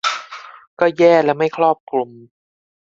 ก็แย่และไม่ครอบคลุม